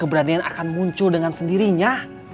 keberanian akan muncul dengan sendirinya